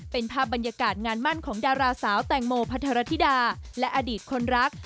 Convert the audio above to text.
เป็นภาพบรรยากาศงานมั่นของดาราสาวแตงโมพัทรธิดาและอดีตคนรัก